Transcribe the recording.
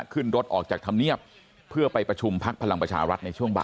ขึ้นรถออกจากธรรมเนียบเพื่อไปประชุมพักพลังประชารัฐในช่วงบ่าย